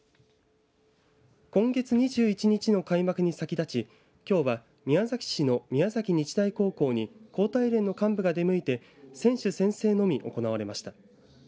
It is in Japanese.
今月２１日の開幕に先立ちきょうは宮崎市の宮崎日大高校に高体連の幹部が出向いて選手宣誓のみ行われました。